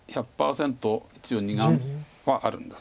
一応２眼はあるんです。